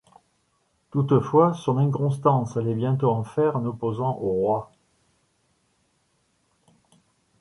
Toutefois son inconstance allait bientôt en faire un opposant au roi.